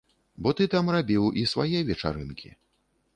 Бо ты там рабіў і свае вечарынкі.